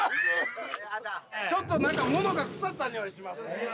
ちょっと何か物が腐った臭いしますね